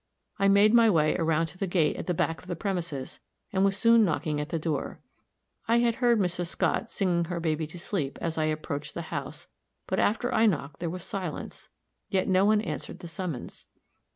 I made my way around to the gate at the back of the premises, and was soon knocking at the door. I had heard Mrs. Scott singing her baby to sleep as I approached the house; but after I knocked there was silence, yet no one answered the summons.